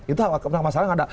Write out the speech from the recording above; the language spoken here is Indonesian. itu masalah nggak ada